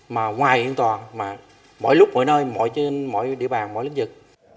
mà ngoài phiên tòa mà mỗi lúc mỗi nơi trên mọi địa bàn mọi lĩnh vực